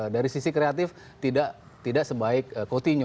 dari sisi kreatif tidak sebaik coutinho